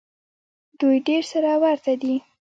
دوی ډېر سره ورته دي.